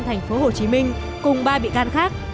thành phố hồ chí minh cùng ba bị can khác